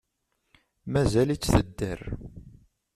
Mazal-itt tedder.